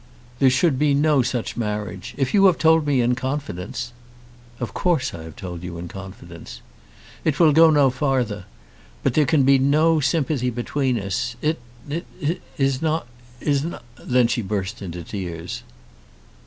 "There should be no such marriage. If you have told me in confidence " "Of course I have told you in confidence." "It will go no farther; but there can be no sympathy between us. It it it is not, is not " Then she burst into tears.